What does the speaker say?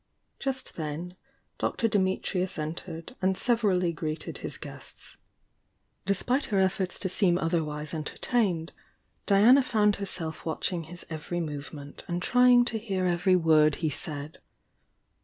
Just then Dr. Dimitrius entered and severally greeted his guests. Despite her efforts to seem otherwise enter tained, Diana found herself watching his every movement and trying to hear every word he said.